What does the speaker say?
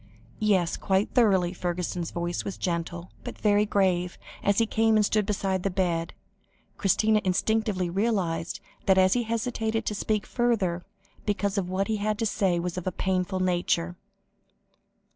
"Yes, quite thoroughly." Fergusson's voice was gentle, but very grave, and as he came and stood beside the bed, Christina instinctively realised that he hesitated to speak further, because what he had to say was of a painful nature.